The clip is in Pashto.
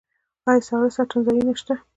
آیا ساړه ساتنځایونه شته؟